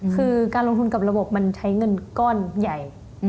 คือการลงทุนกับระบบมันใช้เงินก้อนใหญ่